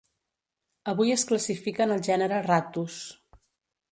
Avui es classifica en el gènere "Rattus".